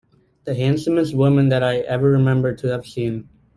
The handsomest woman that I ever remember to have seen.